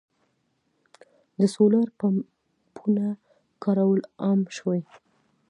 د سولر پمپونو کارول عام شوي.